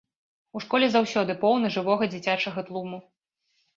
У школе заўсёды поўна жывога дзіцячага тлуму.